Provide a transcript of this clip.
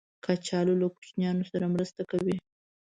کچالو له کوچنیانو سره مرسته کوي